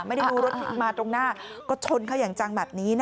ไม่ได้รู้รถที่มาตรงหน้าคุณก็ชนเค้าอย่างจัง